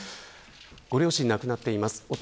ご両親が亡くなっています。